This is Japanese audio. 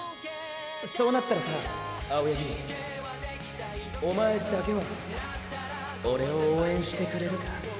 そうなったらさ青八木おまえだけはオレを応援してくれるか？